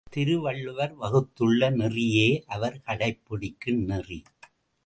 திருவள்ளுவர் வகுத்துள்ள நெறியே அவர் கடைப்பிடிக்கும் நெறி.